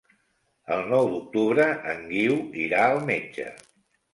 El nou d'octubre en Guiu irà al metge.